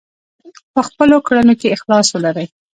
په خپلو کړنو کې اخلاص ولرئ.